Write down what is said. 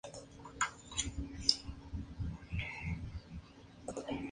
El desarrollo del proyecto se efectuará en dos fases.